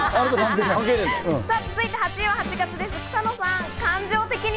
続いて８位は８月です、草野さん。